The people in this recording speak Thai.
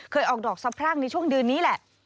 เคยออกดอกซับพร่างในช่วงดืนนี้แหละ